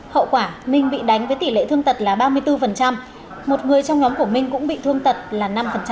hậu quả minh bị đánh với tỷ lệ thương tật là ba mươi bốn một người trong nhóm của minh cũng bị thương tật là năm